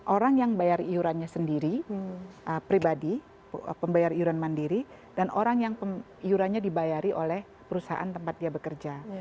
orang yang bayar iurannya sendiri pribadi pembayar iuran mandiri dan orang yang iurannya dibayari oleh perusahaan tempat dia bekerja